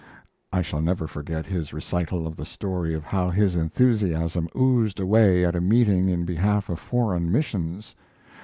I shall never forget his recital of the story of how his enthusiasm oozed away at a meeting in behalf of foreign missions.